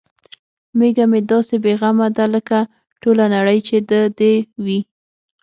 میږه مې داسې بې غمه ده لکه ټوله نړۍ چې د دې وي.